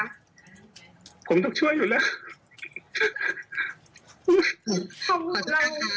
ผมต้องช่วยอยู่แล้ว